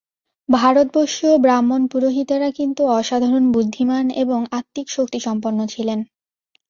ভারতবর্ষীয় ব্রাহ্মণ-পুরোহিতেরা কিন্তু অসাধারণ বুদ্ধিমান এবং আত্মিক শক্তিসম্পন্ন ছিলেন।